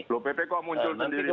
loh pp kok muncul sendiri